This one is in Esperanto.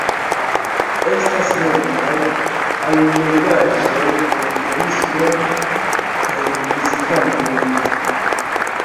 Estas multaj allogaĵoj por turismo kaj vizitantoj.